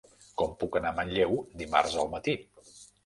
Com puc anar a Manlleu dimarts al matí?